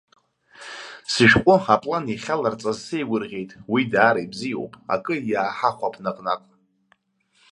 Сышәҟәыаплан иахьаларҵаз сеигәырӷьеит, уи даара ибзиоуп, акы иааҳахәап наҟ-наҟ.